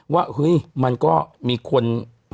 ว่าเฮ้ยมันก็มีคน